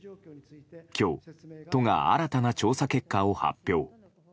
今日、都が新たな調査結果を発表。